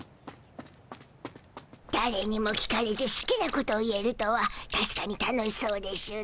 だれにも聞かれずすきなこと言えるとはたしかに楽しそうでしゅな。